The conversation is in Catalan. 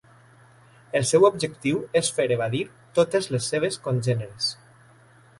El seu objectiu és de fer evadir totes les seves congèneres.